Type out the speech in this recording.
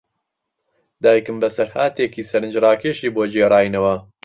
دایکم بەسەرهاتێکی سەرنجڕاکێشی بۆ گێڕاینەوە.